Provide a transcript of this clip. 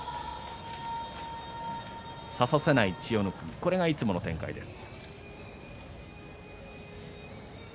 差させない千代の国これがいつもの展開です。